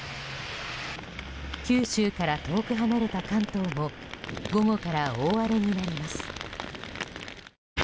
九州から遠く離れた関東も午後から大荒れになります。